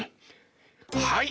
はい！